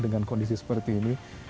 dengan kondisi seperti ini